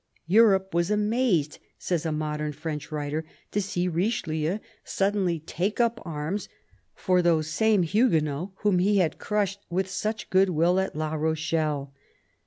" Europe was amazed," says a modern French writer, " to see Richelieu suddenly take up arms for those same Huguenots whom he had crushed with such good will at La Rochelle."